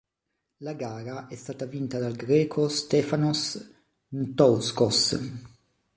La gara è stata vinta dal greco Stefanos Ntouskos.